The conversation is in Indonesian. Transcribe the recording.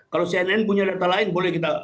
kalau cnn punya data lain boleh kita uji data